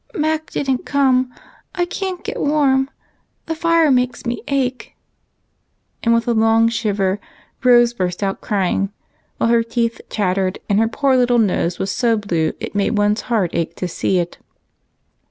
" Mac did n't come — I can 't get warm — the fire makes me ache !" and with a long shiver Rose burst out crying, while her teeth chattered, and her poor little nose was so blue, it made one's heart ache to see it.